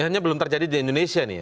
hanya belum terjadi di indonesia nih ya